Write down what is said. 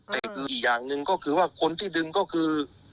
แต่คืออีกอย่างหนึ่งก็คือว่าคนที่ดึงก็คือ